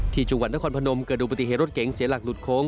ที่จังหวัดนครพนมเกิดดูปฏิเหตุรถเก๋งเสียหลักหลุดโค้ง